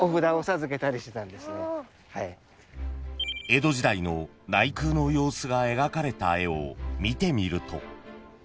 ［江戸時代の内宮の様子が描かれた絵を見てみると］